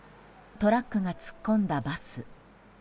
トラックが突っ込んだバス。